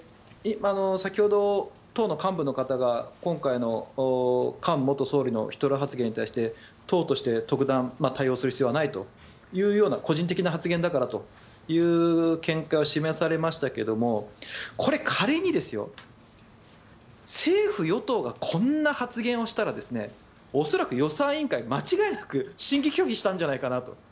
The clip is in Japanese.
先ほど党の幹部の方が今回の菅元総理のヒトラー発言に対して党として特段、対応する必要はないというような個人的な発言だからという見解を示されましたがこれ、仮にですよ政府・与党がこんな発言をしたら恐らく、予算委員会は間違いなく審議拒否したんじゃないかなと。